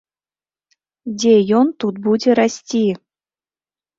Дзе ён тут будзе расці?!